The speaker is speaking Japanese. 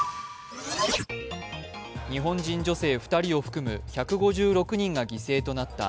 日本人女性２人を含む１５６人が犠牲となった